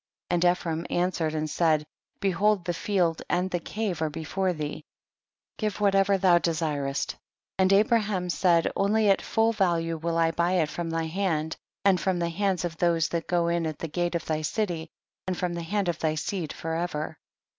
6. And Ephron answered and said, behold the field and the cave are be fore thee, give Avhatever thou desir est; and Abraham said, only at full value will I buy it from thy hand, and from the hands of those that go in at the gate of thy city, and from the hand of thy seed for ever.